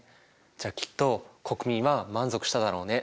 じゃあきっと国民は満足しただろうね。